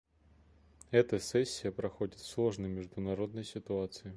Эта сессия проходит в сложной международной ситуации.